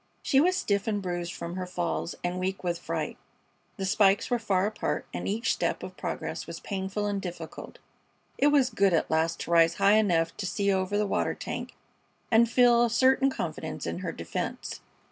She was stiff and bruised from her falls, and weak with fright. The spikes were far apart, and each step of progress was painful and difficult. It was good at last to rise high enough to see over the water tank and feel a certain confidence in her defense.